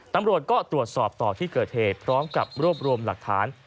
ตำรวจก็ตรวจสอบต่อที่เกิดเหตุพร้อมกับรวบรวมหลักฐาน